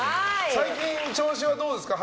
最近、調子はどうですか。